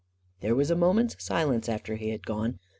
There was a moment's silence after he had gone.